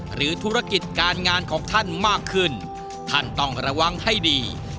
หรือธุรกิจการงานของท่านมากขึ้นท่านต้องระวังให้ดี